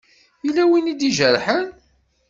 Yella win i d-ijerḥen?